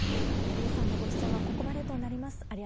李さんのご出演はここまでとなります。